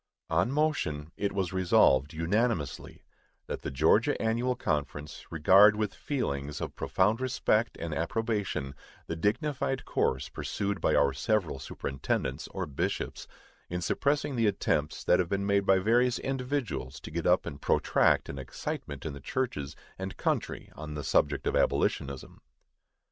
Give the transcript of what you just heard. On motion, it was Resolved, unanimously, That the Georgia Annual Conference regard with feelings of profound respect and approbation the dignified course pursued by our several superintendents, or bishops, in suppressing the attempts that have been made by various individuals to get up and protract an excitement in the churches and country on the subject of abolitionism.